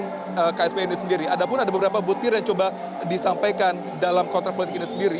dengan kspi ini sendiri ada pun ada beberapa butir yang coba disampaikan dalam kontrapolitik ini sendiri